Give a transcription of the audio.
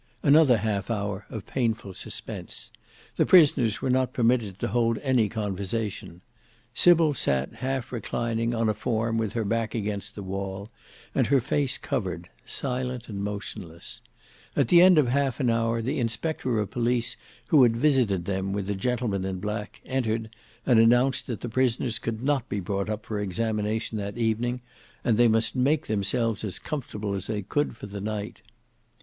Another half hour of painful suspense. The prisoners were not permitted to hold any conversation; Sybil sat half reclining on a form with her back against the wall, and her face covered, silent and motionless. At the end of half an hour the inspector of police who had visited them with the gentleman in black entered and announced that the prisoners could not be brought up for examination that evening, and they must make themselves as comfortable as they could for the night.